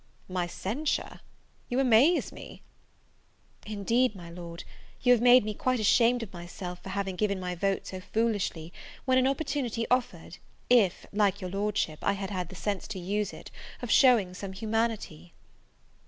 "My censure! you amaze me!" "Indeed, my Lord, you have made me quite ashamed of myself for having given my vote so foolishly, when an opportunity offered, if, like your Lordship, I had had the sense to use it, of showing some humanity."